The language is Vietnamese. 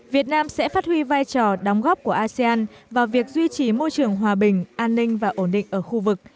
việt nam sẽ phát huy vai trò đóng góp của asean vào việc duy trì môi trường hòa bình an ninh và ổn định ở khu vực